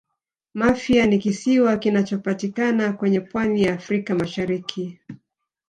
mafia ni kisiwa kinachopatikana kwenye pwani ya africa mashariki